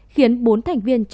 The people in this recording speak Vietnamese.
khiến bốn thành viên chạy vào